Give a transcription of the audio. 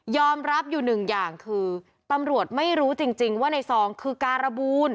รับอยู่หนึ่งอย่างคือตำรวจไม่รู้จริงว่าในซองคือการบูล